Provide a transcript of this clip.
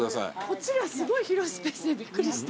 こっちがすごい広いスペースでびっくりした。